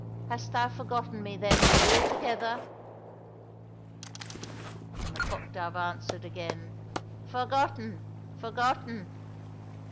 Hast thou forgotten me then altogether ?"— And the cock dove answered again, " Forgotten ! forgotten